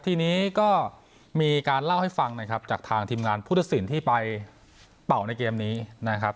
ทีนี้ก็มีการเล่าให้ฟังนะครับจากทางทีมงานพุทธศิลป์ที่ไปเป่าในเกมนี้นะครับ